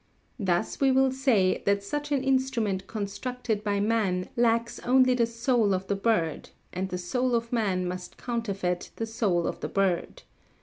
Thus we will say that such an instrument constructed by man lacks only the soul of the bird, and the soul of man must counterfeit the soul of the bird.